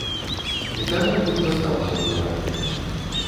І таму ён застаўся ў галаве.